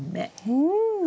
うん！